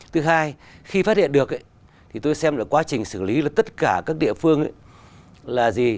thứ hai khi phát hiện được thì tôi xem là quá trình xử lý là tất cả các địa phương là gì